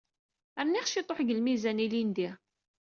Rniɣ ciṭuḥ deg lmizan ilindi.